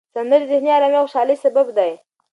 سندرې د ذهني آرامۍ او خوشحالۍ سبب دي.